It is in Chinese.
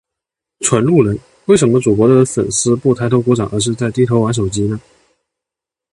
纯路人，为什么主播的粉丝不抬头鼓掌而是在低头玩手机呢？